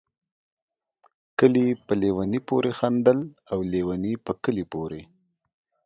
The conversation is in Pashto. کلي په ليوني پوري خندل ، او ليوني په کلي پوري